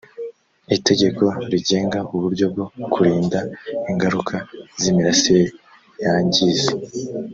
itegeko rigenga uburyo bwo kurinda ingaruka z imirasire yangiza